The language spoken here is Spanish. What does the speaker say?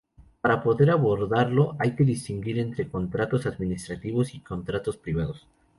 Para poder abordarlo, hay que distinguir entre contratos administrativos y contratos privados.